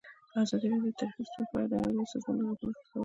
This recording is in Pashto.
ازادي راډیو د ټرافیکي ستونزې په اړه د نړیوالو سازمانونو راپورونه اقتباس کړي.